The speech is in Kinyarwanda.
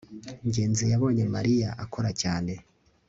ngenzi yabonye mariya akora cyane